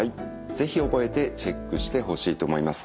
是非覚えてチェックしてほしいと思います。